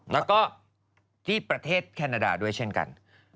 แล้วก็ที่ประเทศแคนาดาด้วยเช่นกัน